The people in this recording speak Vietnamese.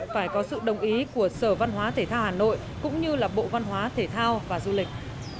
phải có sự đồng ý của sở văn hóa thể thao hà nội cũng như bộ văn hóa thể thao và du lịch